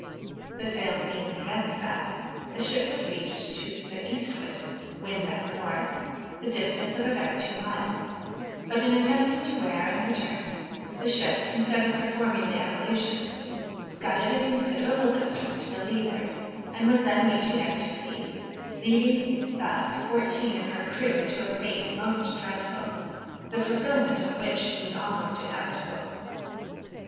The sails being again set, the ship was reached to the eastward (wind at north,) the distance of about two miles; but in attempting to wear and return, the ship, instead of performing the evolution, scudded a considerable distance to the leeward, and was then reaching out to sea; thus leaving fourteen of her crew to a fate most dreadful, the fulfilment of which seemed almost inevitable.